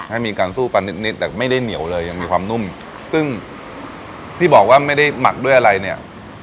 ให้มีการสู้กันนิดนิดแต่ไม่ได้เหนียวเลยยังมีความนุ่มซึ่งที่บอกว่าไม่ได้หมักด้วยอะไรเนี่ย